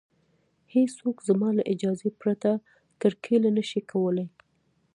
هېڅوک زما له اجازې پرته کرکیله نشي کولی